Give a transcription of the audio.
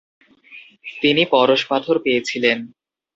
তিনি পরশ পাথর পেয়েছিলেন।